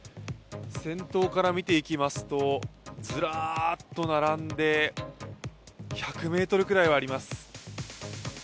先頭から見ていきますとずらーっと並んで１００ｍくらいはあります。